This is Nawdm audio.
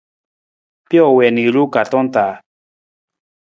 Pijo wii na i ruwee kaartong taa.